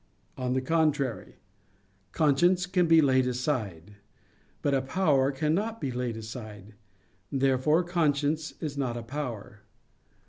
On the contrary, Conscience can be laid aside. But a power cannot be laid aside. Therefore conscience is not a power.